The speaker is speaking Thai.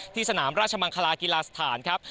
สนามราชมังคลากีฬาสถานครับ